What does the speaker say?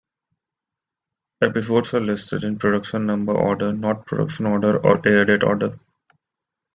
Episodes are listed in production number order, not production order or air date order.